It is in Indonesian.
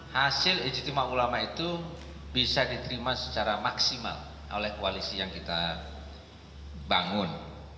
hasil ijtima ulama itu bisa diterima secara maksimal oleh koalisi yang kita bangun